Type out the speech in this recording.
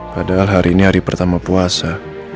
padahal hari ini hari pertama puasa